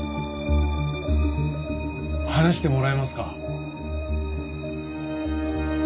話してもらえますか？